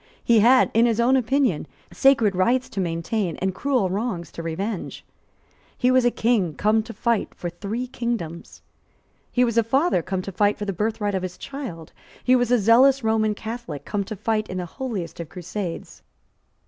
He had, in his own opinion, sacred rights to maintain and cruel wrongs to revenge. He was a King come to fight for three kingdoms. He was a father come to fight for the birthright of his child. He was a zealous Roman Catholic, come to fight in the holiest of crusades.